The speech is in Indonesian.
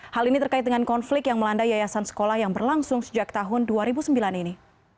hal ini terkait dengan konflik yang melanda yayasan sekolah yang berlangsung sejak tahun dua ribu sembilan ini